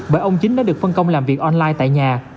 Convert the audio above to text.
bởi ông chính đã được phân công làm việc online tại nhà